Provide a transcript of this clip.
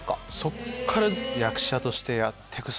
そっから役者としてやってくぞ！